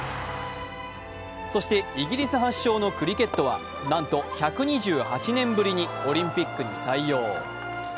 そして、イギリス発祥のクリケットはなんと１２８年ぶりにオリンピックに採用。